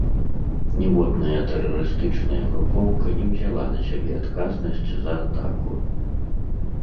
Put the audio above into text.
Ніводная тэрарыстычная групоўка не ўзяла на сябе адказнасць за атаку.